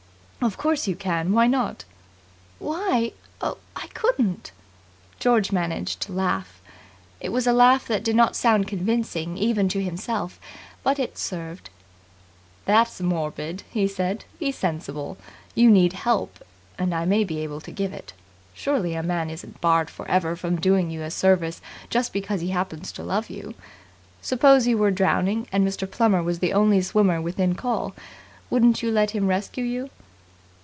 "Of course you can. Why not?" "Why oh, I couldn't!" George managed to laugh. It was a laugh that did not sound convincing even to himself, but it served. "That's morbid," he said. "Be sensible. You need help, and I may be able to give it. Surely a man isn't barred for ever from doing you a service just because he happens to love you? Suppose you were drowning and Mr. Plummer was the only swimmer within call, wouldn't you let him rescue you?"